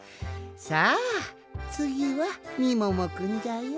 さあつぎはみももくんじゃよ。